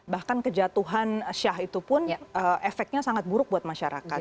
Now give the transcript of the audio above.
bahkan kejatuhan syah itu pun efeknya sangat buruk buat masyarakat